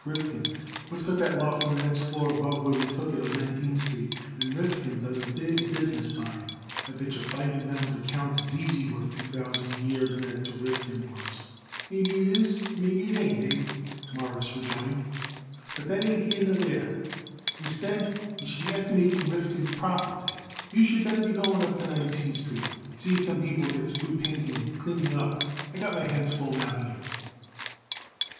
Rifkin, what's got that loft on the next floor above where we took it on Nineteenth Street, and Rifkin does a big business by him. I bet yer Feigenbaum's account is easy worth two thousand a year net to Rifkin, Mawruss." "Maybe it is and maybe it ain't, Abe," Morris rejoined, "but that ain't here nor there. Instead you should be estimating Rifkin's profits, Abe, you should better be going up to Nineteenth Street and see if them people gets through painting and cleaning up. I got it my hands full down here."